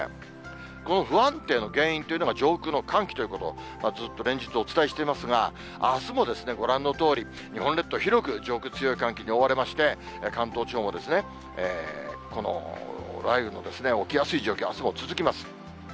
この不安定の原因というのが、上空の寒気ということ、ずっと連日、お伝えしていますが、あすもご覧のとおり、日本列島、広く上空、強い寒気に覆われまして、関東地方もこの雷雨の起きやすい状況、あすも続きます。